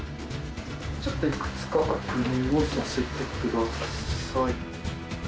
ちょっといくつか確認をさせてください。